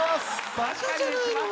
バカじゃないの！